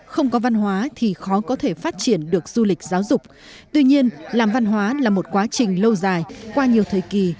không có văn hóa thì khó có thể phát triển được du lịch giáo dục tuy nhiên làm văn hóa là một quá trình lâu dài qua nhiều thời kỳ